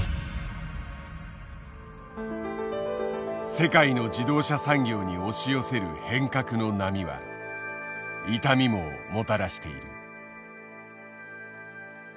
世界の自動車産業に押し寄せる変革の波は痛みももたらしている。